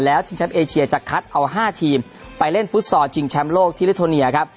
แล้วจีนแชมป์เอเชียจะคัดเอา๕ทีมไปเล่นฟุตซอร์จีนแชมป์โลกที่ลิตรโนเนียครับ